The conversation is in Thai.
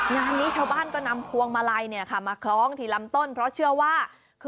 งานนี้ชาวบ้านก็นำพวงมาลัยมาคล้องทีลำต้นเพราะเชื่อว่า